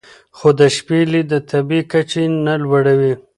خو د شپې لید تر طبیعي کچې نه لوړوي.